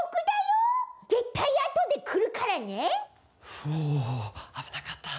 ふおあぶなかった。